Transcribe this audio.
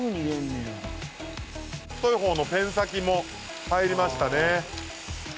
太い方のペン先も入りましたね。